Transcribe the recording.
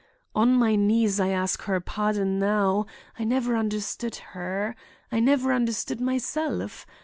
On my knees I ask her pardon now. I never understood her. I never understood myself.